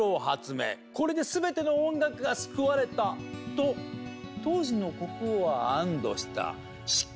「これで全ての音楽が救われた！」と当時の国王は安堵した。